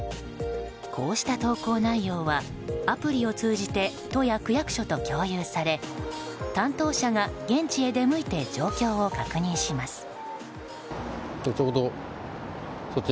こうした投稿内容はアプリを通じて都や区役所と共有され、担当者が現地へ出向いて状況を確認します。